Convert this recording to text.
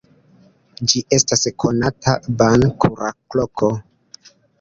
Ĝi estas konata ban-kuracloko.